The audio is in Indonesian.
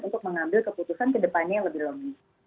untuk mengambil keputusan ke depannya yang lebih logis